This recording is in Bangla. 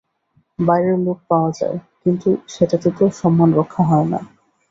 বাইরের লোক পাওয়া যায়, কিন্তু সেটাতে তো সম্মান রক্ষা হয় না।